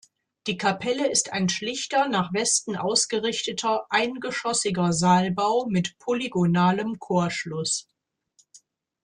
Die Kapelle ist ein schlichter, nach Westen ausgerichteter, eingeschossiger Saalbau mit polygonalem Chorschluss.